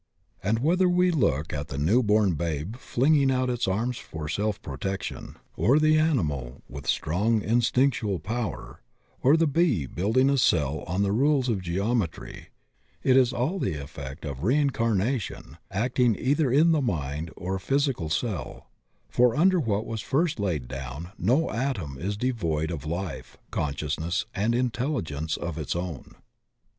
And whether we look at the new bom babe flinging out its arms for self protection, or the animal with very INHERENT IDEAS AND INSTINCT 87 Strong instinctual power, or the bee building a cell on the rules of geometry, it is all the effect of reincar nation acting either in the mind or physical cell, for under what was first laid down no atom is devoid of life, consciousness, and intelligence of its own.